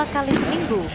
dua kali seminggu